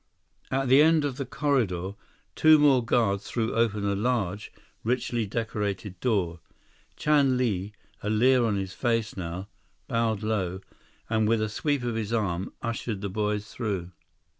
At the end of the corridor, two more guards threw open a large, richly decorated door. Chan Li, a leer on his face now, bowed low, and with a sweep of his arm, ushered the boys through.